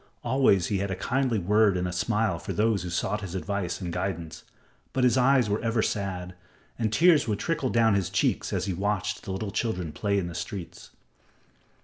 Always he had a kindly word and a smile for those who sought his advice and guidance, but his eyes were ever sad, and tears would trickle down his cheeks as he watched the little children at play in the streets.